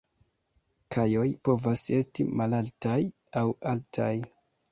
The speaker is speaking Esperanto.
Kajoj povas esti malaltaj aŭ altaj.